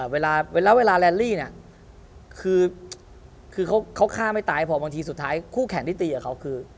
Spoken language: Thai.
เวลาเวลาแลนลี่เนี่ยคือเขาฆ่าไม่ตายพอบางทีสุดท้ายคู่แข่งที่ตีกับเขาคือ